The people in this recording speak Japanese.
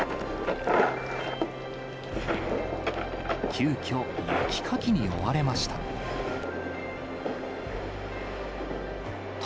急きょ、雪かきに追われました。